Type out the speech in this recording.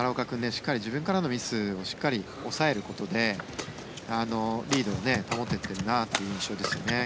しっかり自分からのミスをしっかり抑えることでリードを保ててるなという印象ですね。